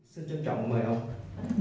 xin chân trọng mời ông